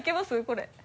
これ。